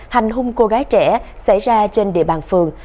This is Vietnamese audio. hành hung cô gái trẻ xảy ra trên địa bàn phường